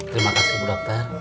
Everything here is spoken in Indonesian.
terima kasih bu dokter